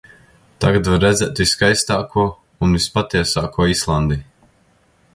Tagad var redzēt visskaistāko un vispatiesāko Islandi.